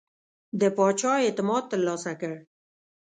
د پاچا اعتماد ترلاسه کړ.